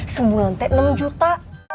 sembulan te enam juta